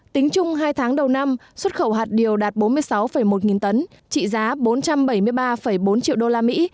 tính chung hai tháng đầu năm xuất khẩu hạt điều đạt bốn mươi sáu một tấn trị giá bốn trăm bảy mươi năm đô la mỹ